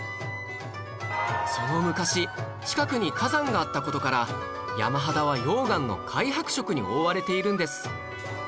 その昔近くに火山があった事から山肌は溶岩の灰白色に覆われているんです